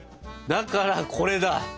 だからこれだ！